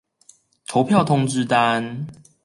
投票通知單